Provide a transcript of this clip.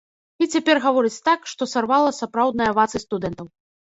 І цяпер гаворыць так, што сарвала сапраўдныя авацыі студэнтаў.